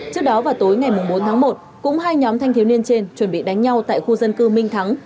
trước đó vào tối ngày bốn tháng một cũng hai nhóm thanh thiếu niên trên chuẩn bị đánh nhau tại khu dân cư minh thắng